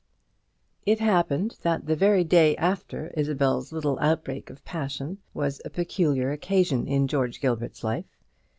It happened that the very day after Isabel's little outbreak of passion was a peculiar occasion in George Gilbert's life.